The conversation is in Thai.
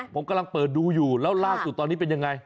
ผมกำลังเปิดดูอยู่แล้วล่าสุดตอนนี้เป็นยังไง